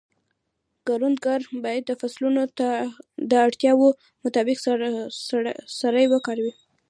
کروندګر باید د فصلونو د اړتیاوو مطابق سرې وکاروي.